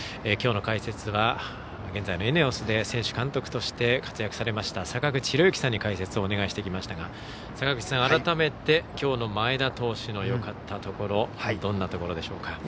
きょうの解説は現在のＥＮＥＯＳで選手、監督として活躍されました坂口裕之さんに解説をお願いしてきましたが坂口さん、改めてきょうの前田投手のよかったところどんなところでしょうか？